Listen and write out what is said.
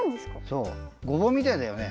そうごぼうみたいだよね。